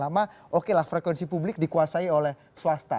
sama oke lah frekuensi publik dikuasai oleh swasta